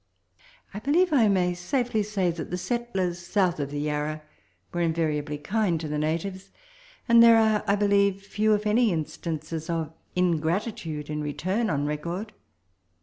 I believe I may safely say that the settlers south of the Yarra were invariably kind to the natives, and there are, I believe, few if any instances of ingratitude in return on record.